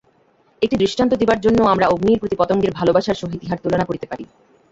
একটি দৃষ্টান্ত দিবার জন্য আমরা অগ্নির প্রতি পতঙ্গের ভালবাসার সহিত ইহার তুলনা করিতে পারি।